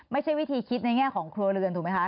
ไม่ใช่วิธีคิดในแง่ของครัวเรือนถูกไหมคะ